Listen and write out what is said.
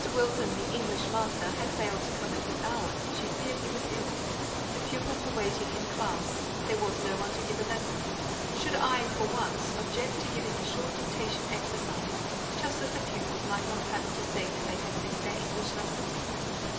Wilson, the English master, had failed to come at his hour, she feared he was ill; the pupils were waiting in classe; there was no one to give a lesson; should I, for once, object to giving a short dictation exercise, just that the pupils might not have it to say they had missed their English lesson?